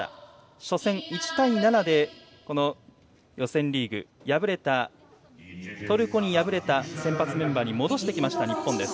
初戦、１対７で予選リーグでトルコに敗れた先発メンバーに戻してきた日本代表です。